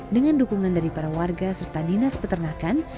dengan dukungan dari para warga serta dinas peternakan